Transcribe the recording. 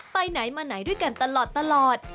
ไปไหนมาไหนด้วยกันตลอด